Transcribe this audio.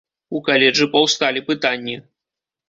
У каледжы паўсталі пытанні.